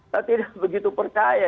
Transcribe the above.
saya tidak begitu percaya